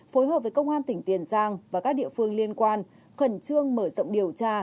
phối hợp với công an tỉnh tiền giang và các địa phương liên quan khẩn trương mở rộng điều tra